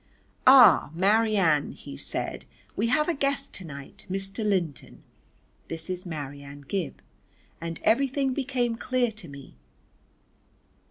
"Ah, Marianne," he said, "we have a guest to night. Mr. Linton. This is Marianne Gib." And everything became clear to me.